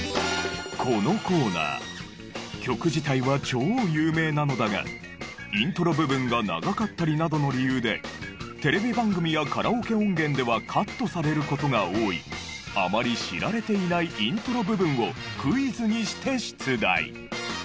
このコーナー曲自体は超有名なのだがイントロ部分が長かったりなどの理由でテレビ番組やカラオケ音源ではカットされる事が多いあまり知られていないイントロ部分をクイズにして出題。